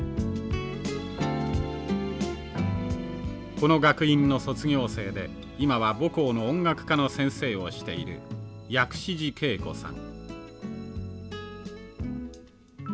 この学院の卒業生で今は母校の音楽科の先生をしている薬師寺慶子さん。